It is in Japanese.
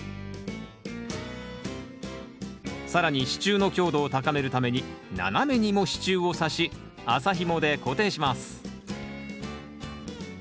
更に支柱の強度を高めるために斜めにも支柱をさし麻ひもで固定します